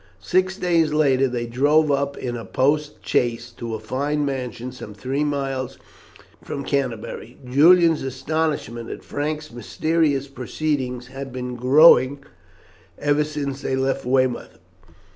Six days later they drove up in a post chaise to a fine mansion some three miles from Canterbury. Julian's astonishment at Frank's mysterious proceedings had been growing ever since they left Weymouth.